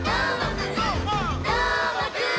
「どーもくん！」